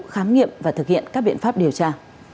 khám nghiệm và thực hiện các biện pháp điều tra